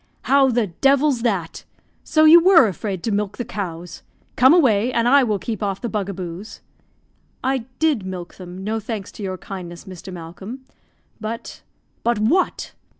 "How the devil's that? So you were afraid to milk the cows. Come away, and I will keep off the buggaboos." "I did milk them no thanks to your kindness, Mr. Malcolm but " "But what?"